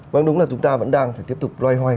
vâng đúng là chúng ta vẫn đang phải tiếp tục loay hoay